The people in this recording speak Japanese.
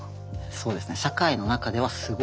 そうですね。